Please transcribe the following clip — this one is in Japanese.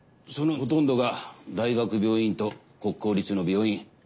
そのほとんどが大学病院と国公立の病院。